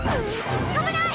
危ない！